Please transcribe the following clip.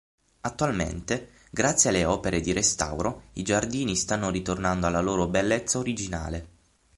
Attualmente, grazie alle opere di restauro, i giardini stanno ritornando alla loro bellezza originale.